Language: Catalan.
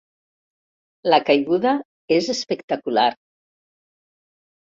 La caiguda és espectacular.